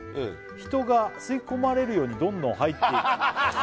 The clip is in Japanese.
「人が吸い込まれるようにどんどん入っていく」